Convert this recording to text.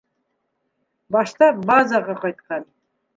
Башта базаға ҡайтҡан.